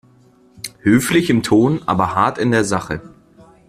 Höflich im Ton, aber hart in der Sache.